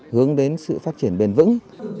hướng đến sự phát triển bền vững